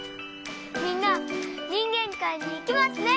みんなにんげんかいにいけますね！